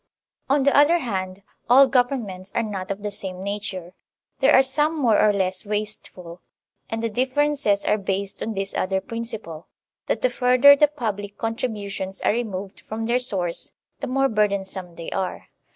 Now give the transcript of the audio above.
On the other hand, all governments are not of the same nature; there are some more or less wasteful; and the differences are based on this other principle, that the further the public contributions are removed from their source, the more burdensome they are.